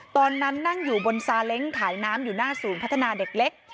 ตอนนั้นนั่งอยู่บนซาเล้งขายน้ำอยู่หน้าศูนย์พัฒนาเด็กเล็ก